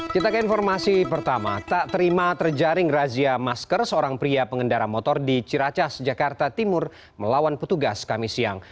kita ke informasi pertama tak terima terjaring razia masker seorang pria pengendara motor di ciracas jakarta timur melawan petugas kami siang